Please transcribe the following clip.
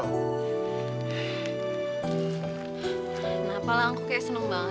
kenapa lah aku kayak seneng banget